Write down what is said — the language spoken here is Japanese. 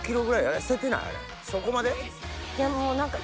そこまで？